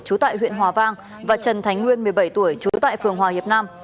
trú tại huyện hòa vang và trần thánh nguyên một mươi bảy tuổi trú tại phường hòa hiệp nam